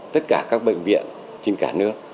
tất cả các bệnh viện trên cả nước